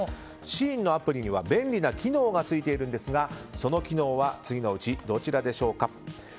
ＳＨＥＩＮのアプリには便利な機能がついているんですがその機能は次のうちどちらでしょうか。